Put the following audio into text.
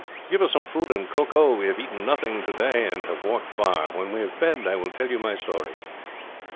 "Give us some food, and cocoa; we have eaten nothing today, and have walked far. When we have fed, I will tell you my story."